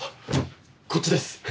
こっちです。